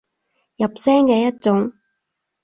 入聲嘅一種